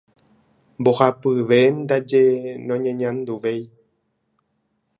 Mbohapyve ndaje noñeñanduvéi.